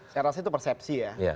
saya rasa itu persepsi ya